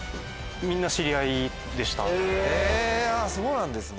へぇそうなんですね。